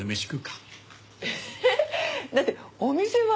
だってお店は？